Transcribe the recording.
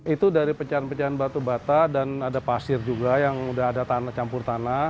itu dari pecahan pecahan batu bata dan ada pasir juga yang udah ada campur tanah